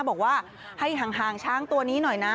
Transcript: บอกว่าให้ห่างช้างตัวนี้หน่อยนะ